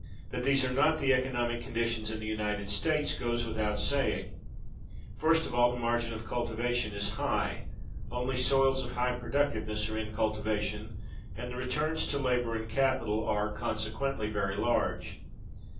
That these are not the economic conditions in the United States goes without saying. First of all, the margin of cultivation is high: only soils of high productiveness are in cultivation, and the returns to labor and capital are, consequently, very large.